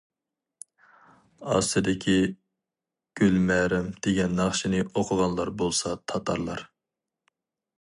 ئاستىدىكى «گۈلمەرەم» دېگەن ناخشىنى ئوقۇغانلار بولسا تاتارلار.